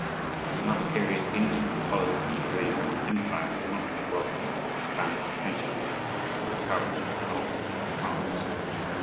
At another period England, Holland, and the Holy Roman Empire would not have welcomed banished Frenchmen and encouraged revolt in France.